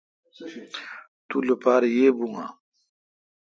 تو لوپار ییبو اؘ۔